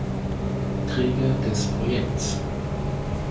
Träger des Projekts.